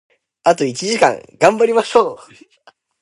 あと一時間、頑張りましょう！